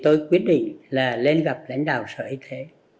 tôi quyết định là lên gặp lãnh đạo sở y tế